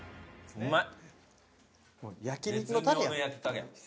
うまい。